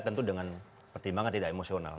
tentu dengan pertimbangan tidak emosional